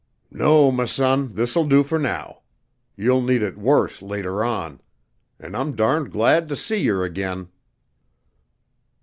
"No, m' son, this'll do fer now. You'll need it worse later on. An' I'm darned glad to see yer again."